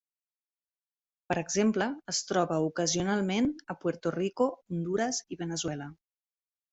Per exemple, es troba ocasionalment a Puerto Rico, Hondures i Veneçuela.